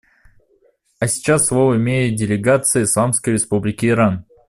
А сейчас слово имеет делегация Исламской Республики Иран.